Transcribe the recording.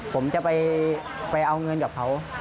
ผมจะไปเอาเงินกับเขา